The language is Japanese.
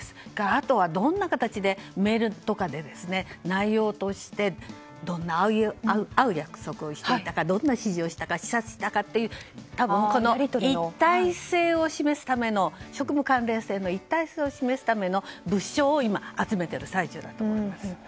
あとはどんな形で、メールとかで内容としてどんな会う約束をしていたかどんな指示をしたか視察したかというそういう一体性を職務関連性の一体性を示すための物証を今集めている最中だとしています。